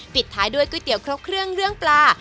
ปิดท้ายด้วยก๋วยเตี๋ยครบเครื่องเรื่องปลา